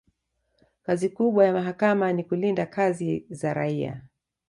kazi kubwa ya mahakama ni kulinda haki za raia